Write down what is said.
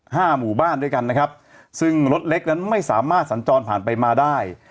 ห้าหมู่บ้านด้วยกันนะครับซึ่งรถเล็กนั้นไม่สามารถสัญจรผ่านไปมาได้